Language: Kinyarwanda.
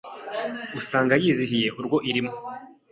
Usanga yizihiye urwo irimwo